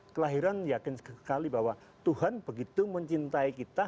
kelahiran yakin sekali bahwa tuhan begitu mencintai kita